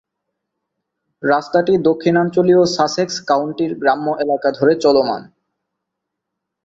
রাস্তাটি দক্ষিণাঞ্চলীয় সাসেক্স কাউন্টির গ্রাম্য এলাকা ধরে চলমান।